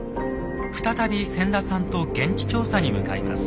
再び千田さんと現地調査に向かいます。